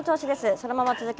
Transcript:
そのまま続けます。